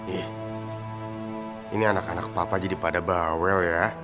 ih ini anak anak papa jadi pada bawel ya